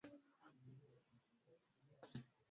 Nikungojapo chini, nakwenda kaburini